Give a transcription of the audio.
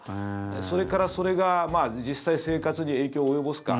それから、それが実際、生活に影響を及ぼすか。